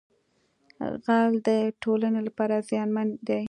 غل د ټولنې لپاره زیانمن دی